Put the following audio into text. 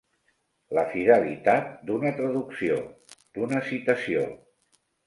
La fidelitat d'una traducció, d'una citació.